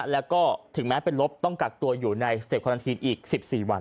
แล้วก็ถึงแม้เป็นลบต้องกักตัวอยู่ในสเต็ปควันทีนอีก๑๔วัน